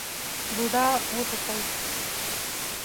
بوډا وټوخل.